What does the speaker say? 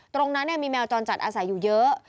ตรงนั้นมีแมวจรจัดอาศัยอยู่เยอะ